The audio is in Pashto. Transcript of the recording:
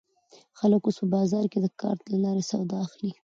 خلک اوس په بازار کې د کارت له لارې سودا اخلي.